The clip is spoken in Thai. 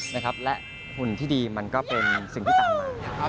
นะครับและขุนที่ดีมันก็เป็นสิ่งที่ตามมา